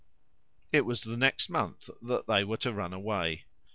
It was the next month that they were to run away.